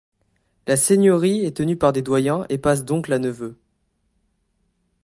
La seigneurie est tenue par des doyens et passe d'oncle à neveu.